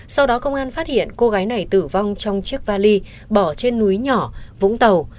sau đó công an phát hiện cô gái này tử vong trong chiếc vali bỏ trên núi nhỏ vũng tàu